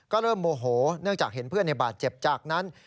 ก็เริ่มโมโหเนื่องจากเห็นเพื่อนในบาดเจ็บจากนั้น